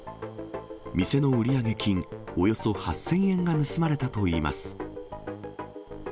店の売上金およそ８０００円が盗まれたといいます。